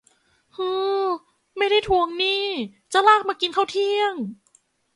ฮือ ไม่ได้ทวงหนี้ จะลากมากินข้าวเที่ยง